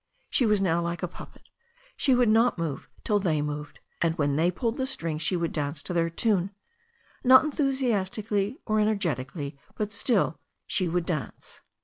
She was now like a puppet; she would not move till they moved; and when they pulled the string she would dance to their tune, not enthusiastically or energetically, but, still, she would dance.